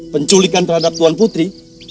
penculikan terhadap tuan putri